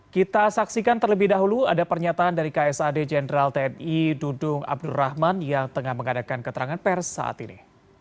kita saksikan terlebih dahulu ada pernyataan dari ksad jenderal tni dudung abdurrahman yang tengah mengadakan keterangan pers saat ini